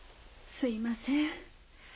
すいません。